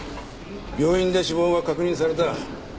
病院で死亡が確認された。